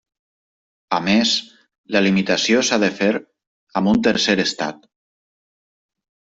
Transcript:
A més, la limitació s'ha de fer amb un tercer estat.